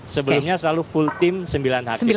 sebelumnya selalu full team sembilan hakim